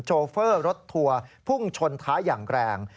โจเฟอร์รถทัวร์พุ่งชนท้ายังแรง